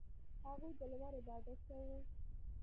• هغوی د لمر عبادت کاوه.